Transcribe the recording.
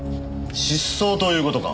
失踪という事か。